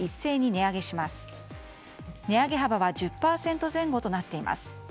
値上げ幅は１０％前後となっています。